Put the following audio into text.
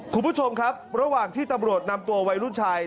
คุณผู้ชมครับระหว่างที่ตำรวจนำตัววัยรุ่นชาย